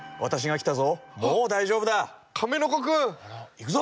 いくぞ！